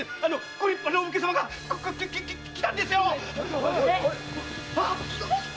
ご立派なお武家様が来たんですよ‼